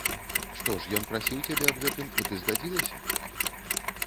Што ж, ён прасіў цябе аб гэтым і ты згадзілася?